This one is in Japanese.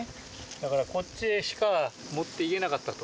だから、こっちへしか持っていけなかったと。